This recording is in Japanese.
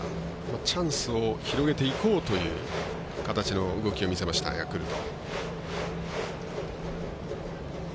チャンスを広げていこうという形の動きを見せたヤクルト。